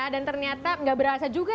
dan ternyata nggak berasa juga